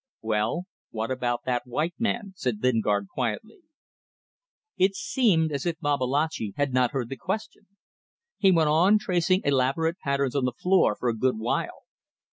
"Well, what about that white man?" said Lingard, quietly. It seemed as if Babalatchi had not heard the question. He went on tracing elaborate patterns on the floor for a good while.